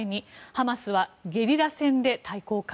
ハマスはゲリラ戦で対抗か。